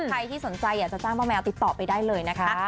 ใครที่สนใจอยากจะจ้างป้าแมวติดต่อไปได้เลยนะคะ